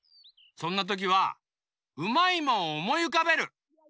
そんなときはうまいもんをおもいうかべる。